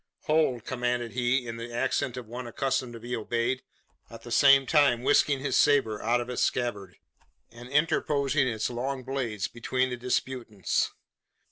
"Hold!" commanded he, in the accent of one accustomed to be obeyed, at the same time whisking his sabre out of its scabbard, and interposing its long blade between the disputants.